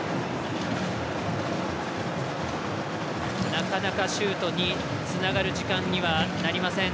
なかなかシュートにつながる時間にはなりません。